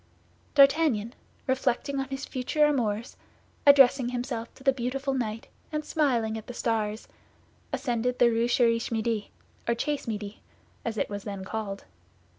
D'Artagnan, reflecting on his future amours, addressing himself to the beautiful night, and smiling at the stars, ascended the Rue Cherish Midi, or Chase Midi, as it was then called.